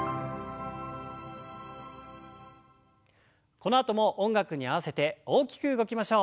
このあとも音楽に合わせて大きく動きましょう。